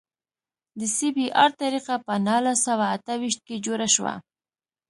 د سی بي ار طریقه په نولس سوه اته ویشت کې جوړه شوه